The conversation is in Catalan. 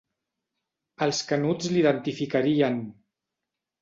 Els Canuts l'identificarien.